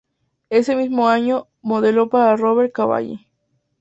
Ese mismo año, modeló para Roberto Cavalli.